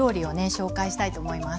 紹介したいと思います。